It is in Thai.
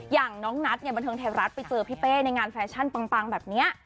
อย่างน้องนัทเนี่ยบันเทิงไทยรัฐไปเจอพี่เป้ในงานแฟชั่นปังแบบนี้